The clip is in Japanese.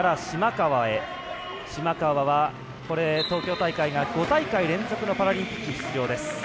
島川は東京大会が５大会連続のパラリンピック出場です。